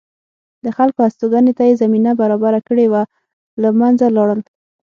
د خلکو هستوګنې ته یې زمینه برابره کړې وه له منځه لاړل